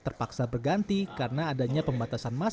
beberapa anggota tim terpaksa berganti karena adanya pembatasan masalah